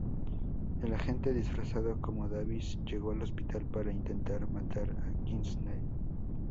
El agente disfrazado como Davis llega al hospital para "intentar" matar a Kinsey.